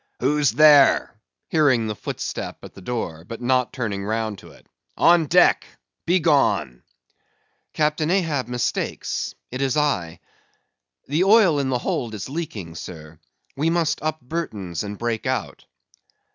"Who's there?" hearing the footstep at the door, but not turning round to it. "On deck! Begone!" "Captain Ahab mistakes; it is I. The oil in the hold is leaking, sir. We must up Burtons and break out."